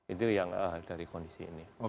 itu yang dari kondisi ini